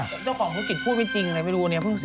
เจ้าของภูมิกิจพูดไม่จริงเลยไม่รู้วันนี้เพิ่งเสร็จ